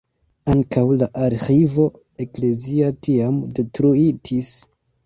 Ankaŭ la arĥivo eklezia tiam detruitis.